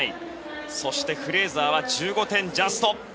そして、フレーザーは１５点ジャスト。